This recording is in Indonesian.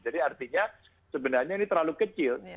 jadi artinya sebenarnya ini terlalu kecil